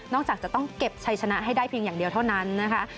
จากจะต้องเก็บชัยชนะให้ได้เพียงอย่างเดียวเท่านั้นนะคะ